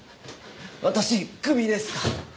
私クビですか？